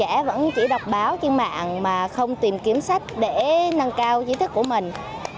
các bạn trẻ vẫn chỉ đọc báo trên mạng mà không tìm kiếm sách để nâng cao chiến thức của mình